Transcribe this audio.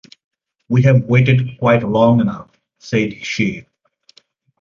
“We have waited quite long enough,” said she.